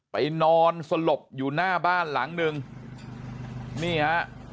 ไปนอนสลบอยู่หน้าบ้านหลังนึงนี่ฮะ